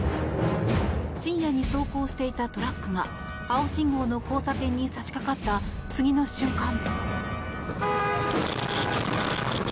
深夜に走行していたトラックが青信号の交差点に差し掛かった次の瞬間。